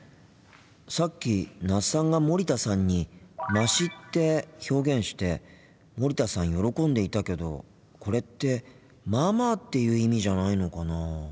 さっき那須さんが森田さんに「まし」って表現して森田さん喜んでいたけどこれって「まあまあ」っていう意味じゃないのかなあ。